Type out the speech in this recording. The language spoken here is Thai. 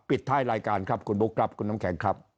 ปิดท้ายรายการครับคุณบุ๊คครับคุณน้ำแข็งครับ